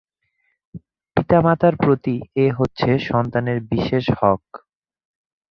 পিতামাতার প্রতি এ হচ্ছে সন্তানের বিশেষ হক।